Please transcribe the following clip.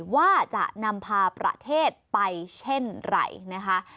ว่าจะนำพาประเทศไปเช่นไรนะคะ